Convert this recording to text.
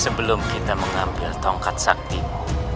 sebelum kita mengambil tongkat saktimu